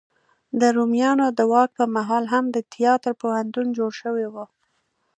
د رومیانو د واک په مهال هم د تیاتر پوهنتون جوړ شوی و.